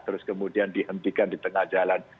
terus kemudian dihentikan di tengah jalan